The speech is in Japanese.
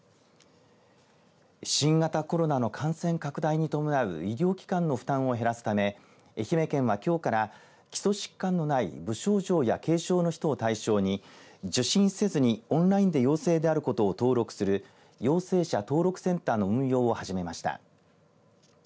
新型コロナの感染拡大に伴う医療機関の負担を減らすため愛媛県は今日から基礎疾患のない無症状や軽症の人を対象に受診せずにオンラインで陽性であることを登録する陽性者登録センターの運用を始めました。